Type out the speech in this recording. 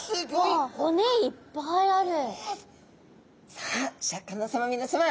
さあシャーク香音さま皆さま！